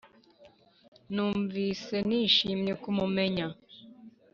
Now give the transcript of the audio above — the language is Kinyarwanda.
Numvise nishimiye kumumenya